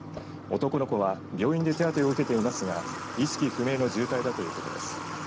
男の子は病院で手当てを受けていますが意識不明の重体だということです。